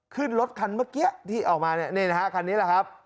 ขึ้นรถคันเมื่อกี้ที่ออกมาเนี่ยนะฮะคันนี้แหละครับ